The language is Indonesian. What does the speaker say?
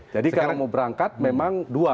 jadi kalau mau berangkat memang dua